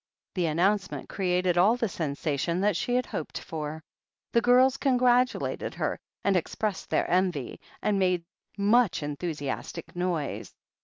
The announcement created all the sensation that she had hoped for. The girls congratulated her, and ex pressed their envy, and made much enthusiastic noise.